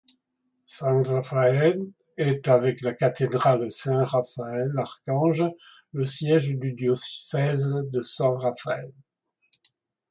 San Rafael est avec la cathédrale Saint-Raphaël-Archange le siège du diocèse de San Rafael.